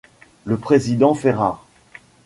Le président Ferrare.